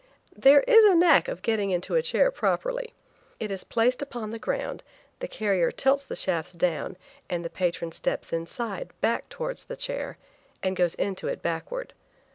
There is a knack of getting into a chair properly. It is placed upon the ground, the carrier tilts the shafts down, and the patron steps inside, back towards the chair, and goes into it backward.